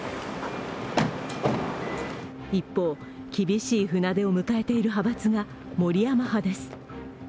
一方、厳しい船出を迎えている派閥が森山派です。